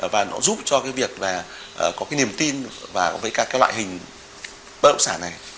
và nó giúp cho cái việc và có cái niềm tin và với cả cái loại hình bất động sản này